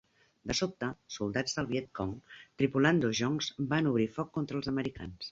De sobte, soldats del Viet Cong tripulant dos joncs van obrir foc contra els americans.